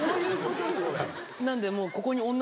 なんでもうここに。